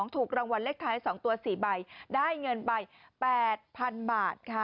ถูกรางวัลเลขท้าย๒ตัว๔ใบได้เงินไป๘๐๐๐บาทค่ะ